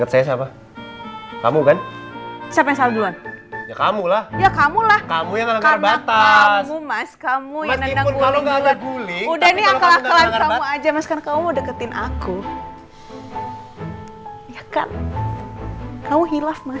siapa yang salah